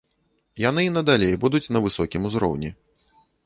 Яны і надалей будуць на высокім узроўні.